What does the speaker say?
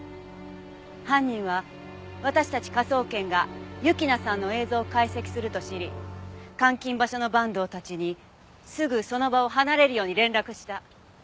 犯人は私たち科捜研が雪菜さんの映像を解析すると知り監禁場所の坂東たちにすぐその場を離れるように連絡した。